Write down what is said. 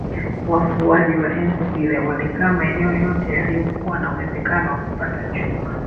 Wafuaji wa enzi zile walikaa maeneo yote yaliyokuwa na uwezekano wa kupata chuma